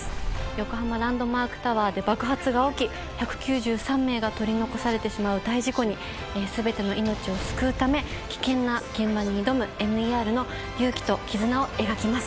横浜ランドマークタワーで爆発が起き１９３名が取り残されてしまう大事故に全ての命を救うため危険な現場に挑むＭＥＲの勇気と絆を描きます